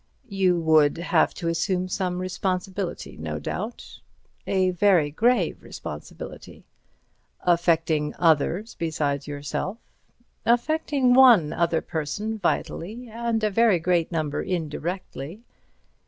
You would have to assume some responsibility, no doubt." "A very grave responsibility." "Affecting others besides yourself?" "Affecting one other person vitally, and a very great number indirectly."